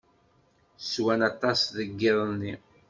Swan aṭas deg yiḍ-nni.